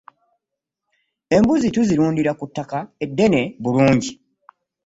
Embuzi tuzirundira ku ttaka ddene bulungi.